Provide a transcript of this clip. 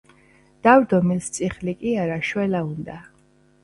დავრდომილს წიხლი კი არა, შველა უნდა